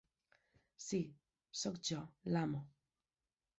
Sí, soc jo, l'amo.